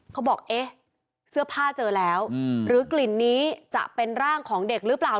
เขาบอกเอ๊ะเสื้อผ้าเจอแล้วหรือกลิ่นนี้จะเป็นร่างของเด็กหรือเปล่า